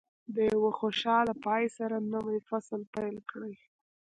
د یوه خوشاله پای سره نوی فصل پیل کړئ.